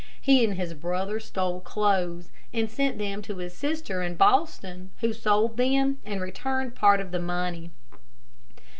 He and his brother stole clothes, and sent them to his sister in Boston, who sold them and returned part of the money.